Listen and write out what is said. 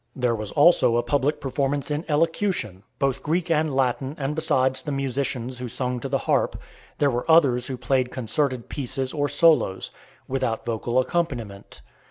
There was also a public performance in elocution, both Greek and Latin and besides the musicians who sung to the harp, there were others who played concerted pieces or solos, without vocal accompaniment.